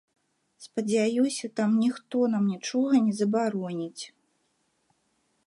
Спадзяюся, там ніхто нам нічога не забароніць.